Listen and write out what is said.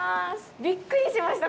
びっくりしました。